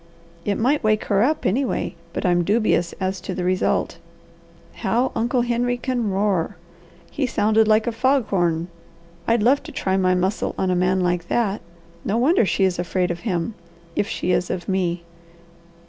It might wake her up, anyway, but I'm dubious as to the result. How Uncle Henry can roar! He sounded like a fog horn. I'd love to try my muscle on a man like that. No wonder she is afraid of him, if she is of me.